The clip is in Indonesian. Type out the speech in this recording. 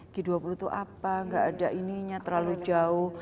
g dua puluh itu apa nggak ada ininya terlalu jauh